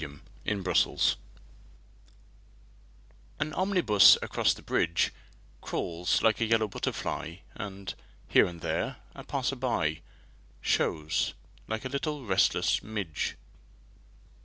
SYMPHONY IN YELLOW AN omnibus across the bridge Crawls like a yellow butterfly And, here and there, a passer by Shows like a little restless midge.